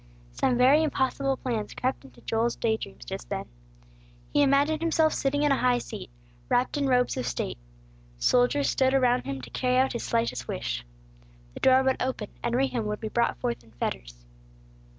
Some very impossible plans crept into Joel's day dreams just then. He imagined himself sitting in a high seat, wrapped in robes of state; soldiers stood around him to carry out his slightest wish. The door would open and Rehum would be brought forth in fetters.